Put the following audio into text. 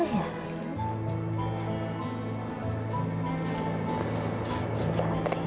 aku tidak bisa kasih nama kamu